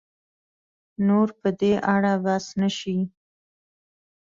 نور په دې اړه بحث نه شي